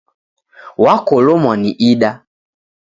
Wakolomwa ni ida.